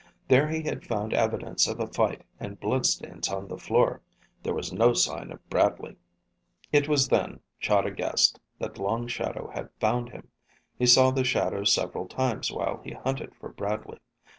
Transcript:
There he had found evidence of a fight and bloodstains on the floor. There was no sign of Bradley. It was then, Chahda guessed, that Long Shadow had found him. He saw the shadow several times while he hunted for Bradley.